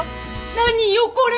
何よこれ。